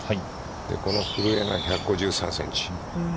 この古江が１５３センチ。